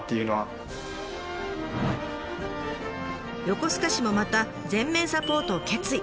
横須賀市もまた全面サポートを決意！